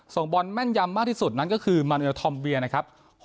ส่งบอลแม่นยำมากที่สุดนั้นก็คือมาเนียลทอมเบียนะครับ